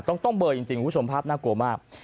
ต้องเบอร์จริงคุณผู้ชมภาพน่ากลัวมาก